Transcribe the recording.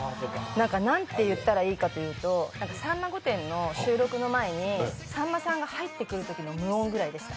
何ていったらいいかというと「さんま御殿」の収録の前にさんまさんが入ってくるくらいの無音ぐらいでした。